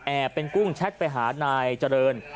เป็นกุ้งแชทไปหานายเจริญ